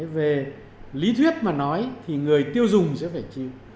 về lý thuyết mà nói thì người tiêu dùng sẽ phải chịu